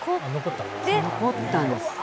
残ったんです。